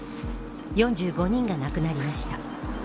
４５人が亡くなりました。